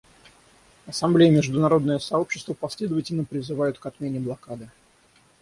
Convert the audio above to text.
Ассамблея и международное сообщество последовательно призывают к отмене блокады.